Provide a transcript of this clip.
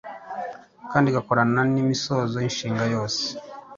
kandi igakorana n’imisozo y’inshinga yose.